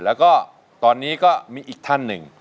แล้วก็ตอนนี้ก็มีอีกท่านหนึ่ง